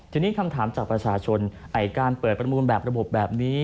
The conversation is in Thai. ทีนี้คำถามจากประชาชนไอ้การเปิดประมูลแบบระบบแบบนี้